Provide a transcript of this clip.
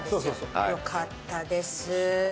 よかったです。